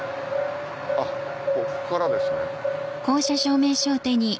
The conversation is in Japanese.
あっこっからですね。